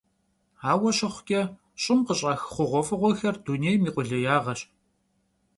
Aue şıxhuç'e, ş'ım khış'ax xhuğuef'ığuexer dunêym yi khulêyağeş.